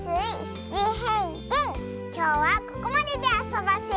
きょうはここまでであそばせ。